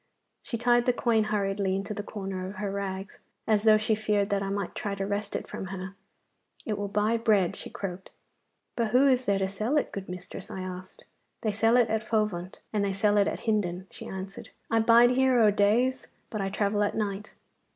She tied the coin hurriedly into the corner of her rags, as though she feared that I might try to wrest it from her. 'It will buy bread,' she croaked. 'But who is there to sell it, good mistress?' I asked. 'They sell it at Fovant, and they sell it at Hindon,' she answered. 'I bide here o' days, but I travel at night.